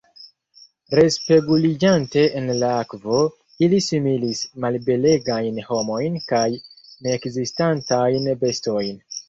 Respeguliĝante en la akvo, ili similis malbelegajn homojn kaj neekzistantajn bestojn.